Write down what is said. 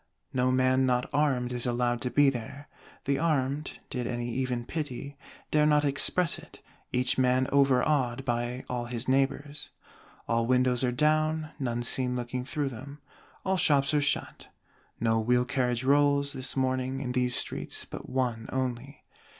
No man not armed is allowed to be there: the armed, did any even pity, dare not express it, each man overawed by all his neighbors. All windows are down, none seen looking through them. All shops are shut. No wheel carriage rolls, this morning, in these streets, but one only.